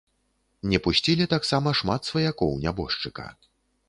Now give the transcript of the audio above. Не пусцілі таксама шмат сваякоў нябожчыка.